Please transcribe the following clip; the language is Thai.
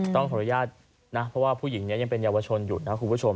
ต้องขออนุญาตนะเพราะว่าผู้หญิงนี้ยังเป็นเยาวชนอยู่นะคุณผู้ชม